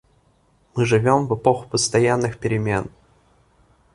Мы живем в эпоху постоянных перемен.